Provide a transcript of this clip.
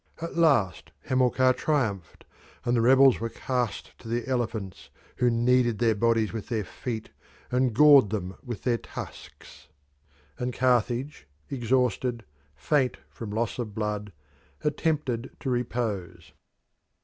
At last Hamilcar triumphed, and the rebels were cast to the elephants, who kneaded their bodies with their feet and gored them with their tusks; and Carthage, exhausted, faint from loss of blood, attempted to repose.